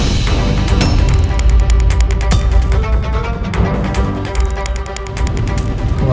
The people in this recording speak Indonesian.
nanti kita ke sana